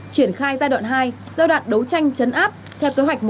triển khai giai đoạn hai giai đoạn đấu tranh chấn áp theo kế hoạch một trăm linh năm